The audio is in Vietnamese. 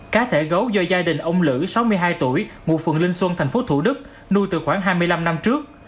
cá thể gấu do gia đình ông lữ sáu mươi hai tuổi ngụ phường linh xuân tp thủ đức nuôi từ khoảng hai mươi năm năm trước